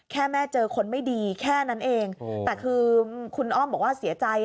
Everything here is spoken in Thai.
แค่แม่เจอคนไม่ดีแค่นั้นเองแต่คือคุณอ้อมบอกว่าเสียใจ